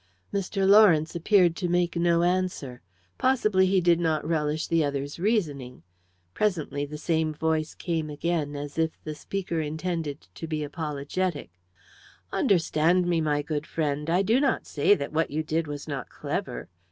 Mr. Lawrence appeared to make no answer possibly he did not relish the other's reasoning. Presently the same voice came again, as if the speaker intended to be apologetic "Understand me, my good friend, I do not say that what you did was not clever.